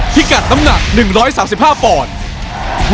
พิกัดน้ำหนัก๑๓๕ปอนด์